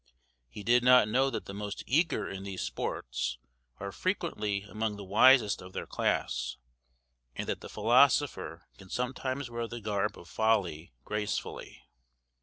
He did not know that the most eager in these sports are frequently among the wisest of their class, and that the philosopher can sometimes wear the garb of folly gracefully.